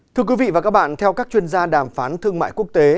thưa quý vị và các bạn theo các chuyên gia đàm phán thương mại quốc tế